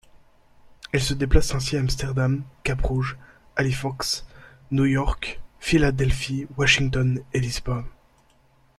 Elle se déplace ainsi à Amsterdam, Cap-Rouge, Halifax, New York, Philadelphie, Washington et Lisbonne.